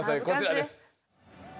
こちらです。